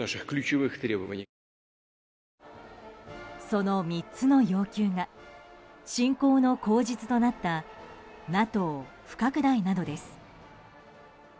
その３つの要求が侵攻の口実となったＮＡＴＯ不拡大などです。